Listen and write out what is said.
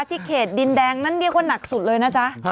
เขตดินแดงนั้นเรียกว่าหนักสุดเลยนะจ๊ะ